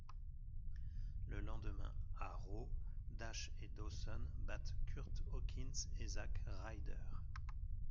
Le lendemain à Raw, Dash & Dawson battent Curt Hawkins et Zack Ryder.